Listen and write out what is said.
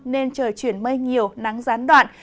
nên trời chuyển mây nhiều nắng gián đoạn